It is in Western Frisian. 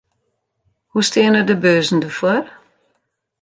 Hoe steane de beurzen derfoar?